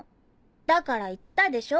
だから言ったでしょ。